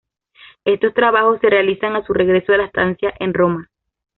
Estos trabajos se realizan a su regreso de la estancia en Roma.